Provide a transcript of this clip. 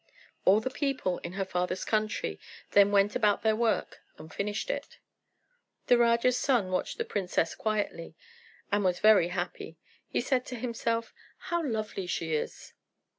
All the people in her father's country then went about their work and finished it. The Raja's son watched the princess quietly, and was very happy. He said to himself, "How lovely she is!"